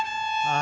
あ！